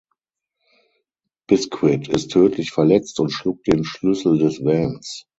Biscuit ist tödlich verletzt und schluckt den Schlüssel des Vans.